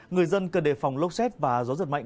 người dân cần đề phòng lốc xét và gió giật mạnh